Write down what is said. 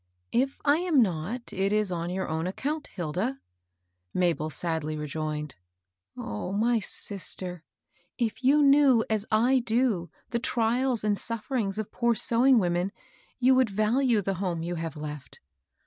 "If I am not, it is on your own account, Hilda," Mabel sadly rejoined. " Oh, my sis ter I if you knew as I do the trials and suf ferings of poor sewing women, you would value the home you have left.